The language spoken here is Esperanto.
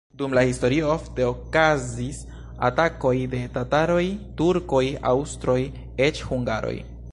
Dum la historio ofte okazis atakoj de tataroj, turkoj, aŭstroj, eĉ hungaroj.